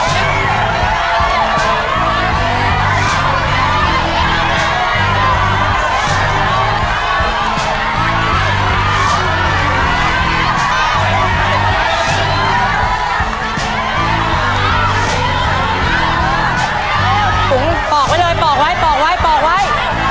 ผมปอกไว้เลยปอกไว้ปอกไว้ปอกไว้